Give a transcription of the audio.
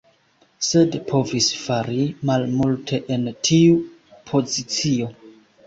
Sed povis fari malmulte en tiu pozicio.